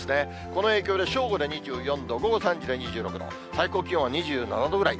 この影響で正午で２４度、午後３時で２６度、最高気温は２７度ぐらい。